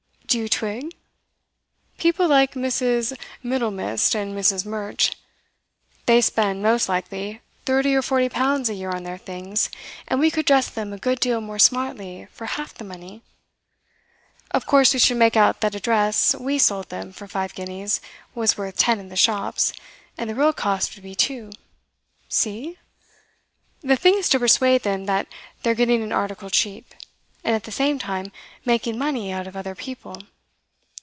Do you twig? People like Mrs. Middlemist and Mrs. Murch. They spend, most likely, thirty or forty pounds a year on their things, and we could dress them a good deal more smartly for half the money. Of course we should make out that a dress we sold them for five guineas was worth ten in the shops, and the real cost would be two. See? The thing is to persuade them that they're getting an article cheap, and at the same time making money out of other people.